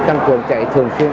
tăng cường chạy thường xuyên